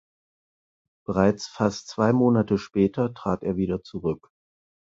Bereits fast zwei Monate später trat er wieder zurück.